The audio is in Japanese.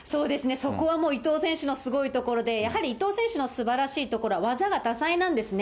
そこはもう、伊藤選手のすごいところで、やはり伊藤選手のすばらしいところは技が多彩なんですね。